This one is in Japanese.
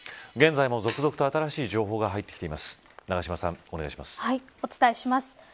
現在も続々と新しい情報が入ってきています。